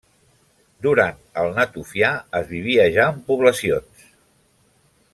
Durant el natufià es vivia ja en poblacions.